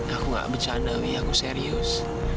aku gak bercanda wih aku serius